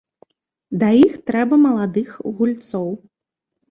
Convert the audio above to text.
Да іх трэба маладых гульцоў.